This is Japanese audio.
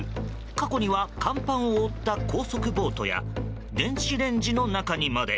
過去には甲板を覆った高速ボートや電子レンジの中にまで。